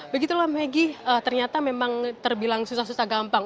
begitulah maggie ternyata memang terbilang susah susah gampang